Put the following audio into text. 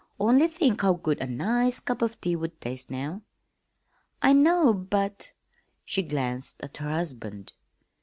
"Only think how good a nice cup of tea would taste now." "I know, but " She glanced at her husband.